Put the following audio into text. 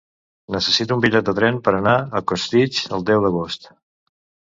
Necessito un bitllet de tren per anar a Costitx el deu d'agost.